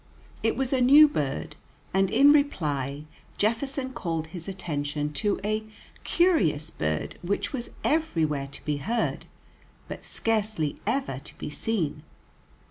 It was a new bird, and in reply Jefferson called his attention to a "curious bird" which was everywhere to be heard, but scarcely ever to be seen.